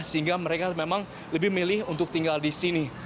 sehingga mereka memang lebih milih untuk tinggal di sini